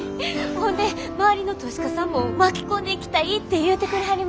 ほんで周りの投資家さんも巻き込んでいきたいって言うてくれはりました。